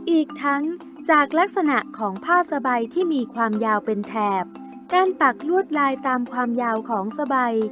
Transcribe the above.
อีกทั้งจากลักษณะของผ้าสบายที่มีความยาวเป็นแถบการปักลวดลายตามความยาวของสบาย